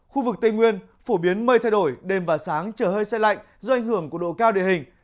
khu vực tây nguyên phổ biến mây thay đổi đêm và sáng trời hơi xe lạnh do ảnh hưởng của độ cao địa hình